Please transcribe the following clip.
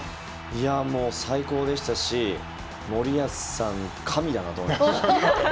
最高でしたし、森保さん神だなって思いました。